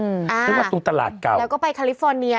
เรียกว่าตรงตลาดเก่าแล้วก็ไปคาลิฟฟอร์เนีย